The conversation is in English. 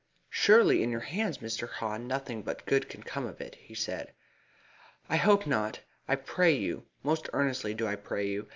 "Surely in your hands, Mr. Haw, nothing but good can come of it," he said. "I hope not I pray not most earnestly do I pray not.